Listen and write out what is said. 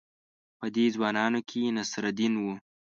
په دې ځوانانو کې نصرالدین وو.